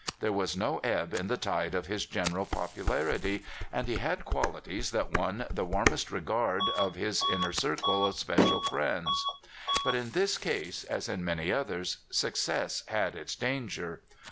There was no ebb in the tide of his general popularity, and he had qualities that won the warmest regard of his inner circle of special friends. But in this case, as in many others, success had its danger.